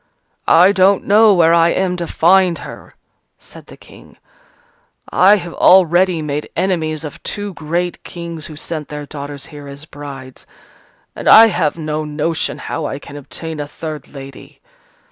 "I don't know where I am to find her," said the King, "I have already made enemies of two great Kings who sent their daughters here as brides: and I have no notion how I can obtain a third lady.